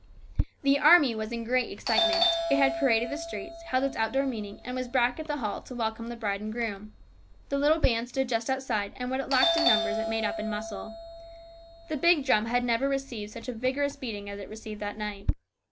The army was in great excitement. It had paraded the streets, held its outdoor meeting, and was back at the hall to welcome the bride and groom. The little band stood just outside, and what it lacked in numbers it made up in muscle. The big drum had never received such a vigorous beating as it received that night.